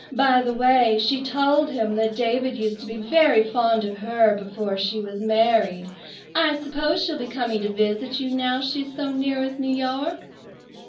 By the way, she told him that David used to be very fond of her before she was married. I suppose she'll be coming to visit you now she's so near as New York."